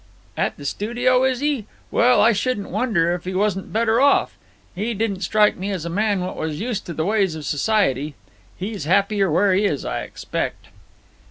"At the studio, is he? Well, I shouldn't wonder if he wasn't better off. 'E didn't strike me as a man what was used to the ways of society. He's happier where he is, I expect."